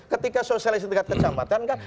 ketika sosialisasi tingkat kecamatan kan